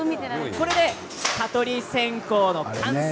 これで蚊取り線香の完成。